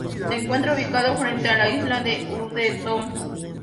Se encuentra ubicado frente a la isla de Usedom.